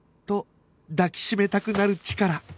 と抱き締めたくなるチカラ